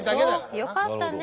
よかったね。